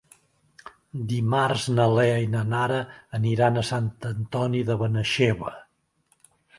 Dimarts na Lea i na Nara aniran a Sant Antoni de Benaixeve.